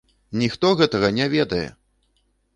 Ніхто гэтага не ведае!